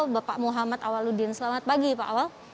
bapak muhammad awaludin selamat pagi pak awal